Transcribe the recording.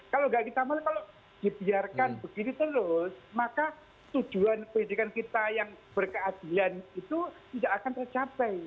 kalau tidak kita malah kalau dibiarkan begini terus maka tujuan pendidikan kita yang berkeadilan itu tidak akan tercapai